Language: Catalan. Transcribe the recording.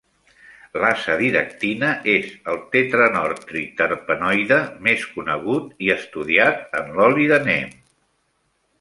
L'Azadiractina és el tetranortriterpenoide més conegut i estudiat en l'oli de neem.